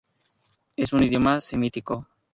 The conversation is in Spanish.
Es un idioma semítico.